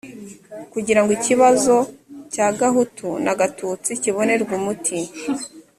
kugirango ikibazo cya gahutu na gatutsi kibonerwe umuti